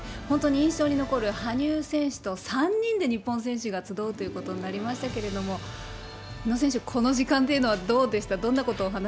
本当に印象に残る羽生選手と３人で日本選手が集うということになりましたけれども、宇野選手、この時間というのはどうでした？